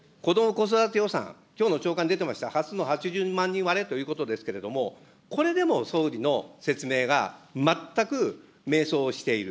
子育て予算、きょうの朝刊出てました、初の８０万人割れということですけれども、これでも総理の説明が全く迷走している。